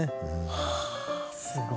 はあすごいなあ。